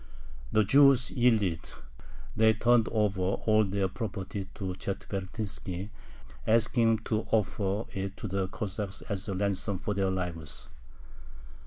The Jews yielded. They turned over all their property to Chetvertinski, asking him to offer it to the Cossacks as a ransom for their lives.